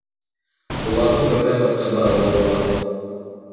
Уларҙың берҙән-бер ҡыҙҙары ла булған.